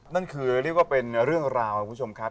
นั่นคือเรียกว่าเป็นเรื่องราวครับคุณผู้ชมครับ